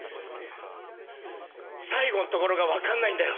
「最後んところが分かんないんだよ」。